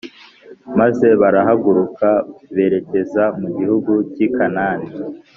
maze barahaguruka berekeza mu gihugu cy’i Kanani